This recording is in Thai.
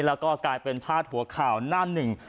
แล้วก็กลายเป็นพาดหัวข่าวหน้าหนึ่ง